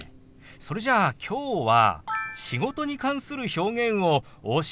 それじゃあきょうは「仕事」に関する表現をお教えしましょう。